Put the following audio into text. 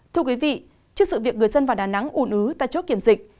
thưa quý vị trước sự việc người dân vào đà nẵng ùn ứ tại chốt kiểm dịch